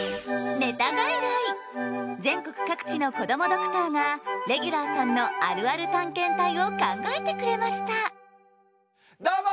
全国各地のこどもドクターがレギュラーさんのあるある探検隊を考えてくれましたどうも！